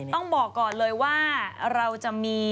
ต้องบอกก่อนเลยว่าเราจะมี